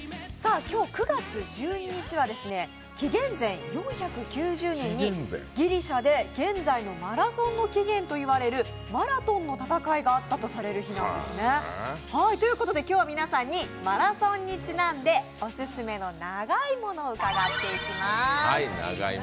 今日９月１２日は紀元前４９０年にギリシャで現在のマラソンの起源といわれるマラトンの戦いがあったとされる日なんですね。ということで、今日は皆さんにマラソンにちなんで、オススメの長いものを伺っていきます。